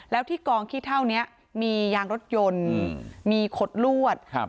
แล้วที่กองขี้เท่านี้มียางรถยนต์มีขดลวดครับ